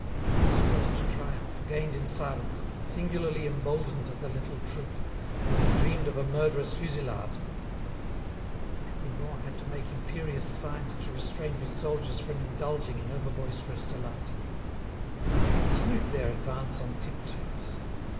This first triumph, gained in silence, singularly emboldened the little troop, who had dreamed of a murderous fusillade. And Rougon had to make imperious signs to restrain his soldiers from indulging in over boisterous delight. They continued their advance on tip toes.